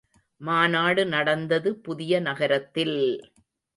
மாநாடு நடந்தது புதிய நகரத்தில்!